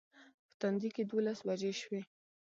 په تندي کې دولس بجې شوې.